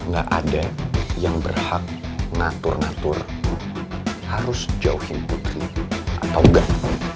gak ada yang berhak ngatur ngatur harus jauhin bukti atau enggak